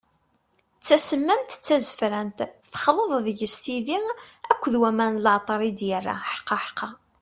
D tasemmamt, d tazefrant, texleḍ deg-s tidi akked waman n leɛṭer i d-yerra, ḥqaḥqa!